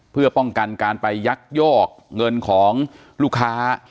เพื่อป้องกันการไปยักยอกเงินของลูกค้า